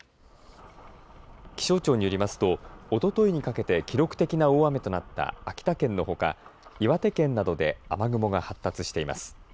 気象庁によりますとおとといにかけて記録的な大雨となった秋田県のほか岩手県などで雨雲が発達しています。